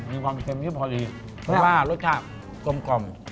มีความเค็มที่พอดีเพราะว่ารสชาติกลมกล่อม